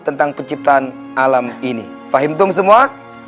tentang penciptaan alam ini fahim tum semua